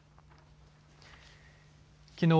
きのう